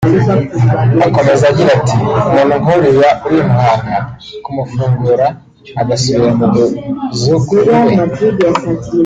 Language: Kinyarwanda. Akomeza agira ati “ Umuntu nk’uriya uri i Muhanga kumufungura agasubira mu buzukuru be